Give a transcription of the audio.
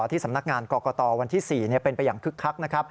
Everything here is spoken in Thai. ที่สำนักงานกรกตวันที่๔เป็นไปอย่างคึกคักนะครับ